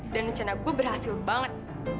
dan rencana gue berhasil banget